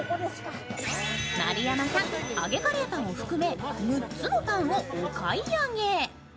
丸山さん、揚げカレーパンを含め６つをお買い上げ。